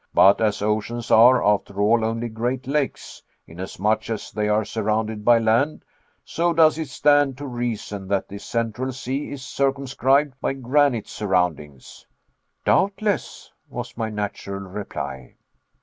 But as oceans are, after all, only great lakes, inasmuch as they are surrounded by land, so does it stand to reason, that this central sea is circumscribed by granite surroundings." "Doubtless," was my natural reply.